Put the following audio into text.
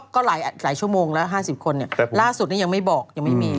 ก็หลายชั่วโมงแล้ว๕๐คนล่าสุดนี้ยังไม่บอกยังไม่มี